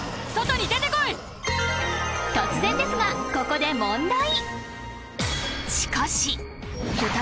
［突然ですがここで問題］